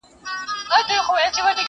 کورونا چي پر دنیا خپل وزر خپور کړ،